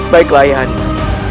baiklah ayah anda